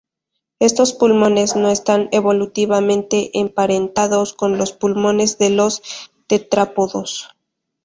Estos pulmones no están evolutivamente emparentados con los pulmones de los tetrápodos.